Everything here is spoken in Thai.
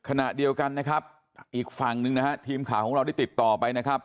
ขณะเดียวกันนะครับอีกฝั่งหนึ่งนะฮะทีมข่าวของเราได้ติดต่อไปนะครับ